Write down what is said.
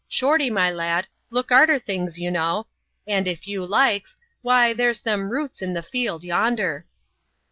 Shorty, my lad, look arter things, you know ; and, if you likes, why, there's them roots in the field yonder."